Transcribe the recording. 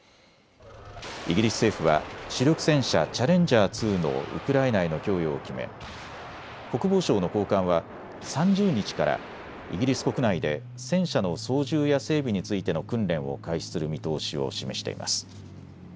イギリス政府は主力戦車、チャレンジャー２のウクライナへの供与を決め国防省の高官は３０日からイギリス国内で戦車の操縦や整備についての訓練を開始する見通しを示しています。